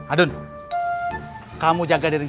adun kamu jaga di ring satu